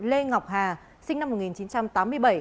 lê ngọc hà sinh năm một nghìn chín trăm tám mươi bảy